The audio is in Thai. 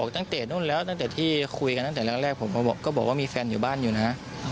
แต่ตอนแรกผมก็บอกว่ามีแฟนอยู่บ้านอยู่นะ